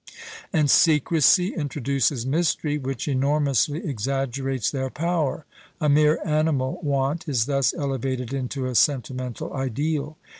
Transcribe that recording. And secrecy introduces mystery which enormously exaggerates their power; a mere animal want is thus elevated into a sentimental ideal.